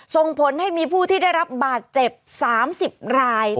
ส่งผลให้มีผู้ที่ได้รับบาดเจ็บ๓๐ราย